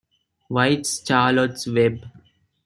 White's "Charlotte's Web".